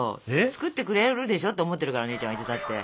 作ってくれるでしょって思ってるからお姉ちゃんはいつだって。